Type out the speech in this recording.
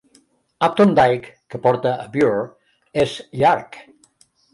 Upton Dyke, que porta a Bure, és llarg.